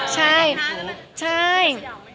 ใช่ใช่